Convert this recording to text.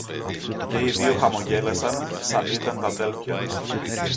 Και οι δυο χαμογέλασαν σαν είδαν τ' αδέλφια.